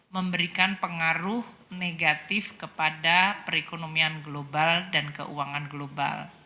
memberikan pengaruh negatif kepada perekonomian global dan keuangan global